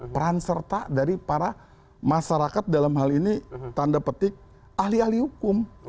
peran serta dari para masyarakat dalam hal ini tanda petik ahli ahli hukum